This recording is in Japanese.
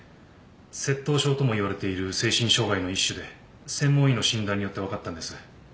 窃盗症ともいわれている精神障害の一種で専門医の診断によって分かったんです。